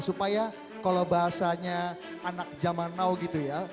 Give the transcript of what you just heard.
supaya kalau bahasanya anak zaman now gitu ya